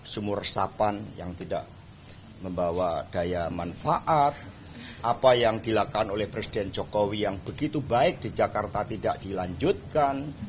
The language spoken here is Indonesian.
sumur resapan yang tidak membawa daya manfaat apa yang dilakukan oleh presiden jokowi yang begitu baik di jakarta tidak dilanjutkan